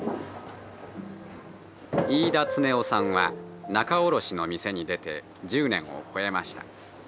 「飯田恒雄さんは仲卸の店に出て１０年を超えました。